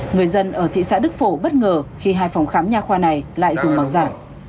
người dân ở thị xã đức phổ bất ngờ khi hai phòng khám nhà khoa này lại dùng bằng giả